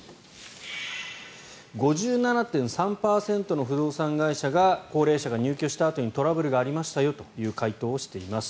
５７．３％の不動産会社が高齢者が入居したあとにトラブルがありましたよという回答をしています。